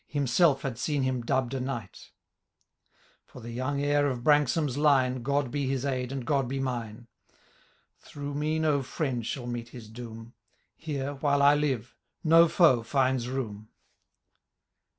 Himself had seen him dubb*d a knight For the yoimg heir of Branksome^s line, Crod be his aid, and €rod be mine ; Through me no friend shall meet his doom ; Here, while I live, no foe finds room.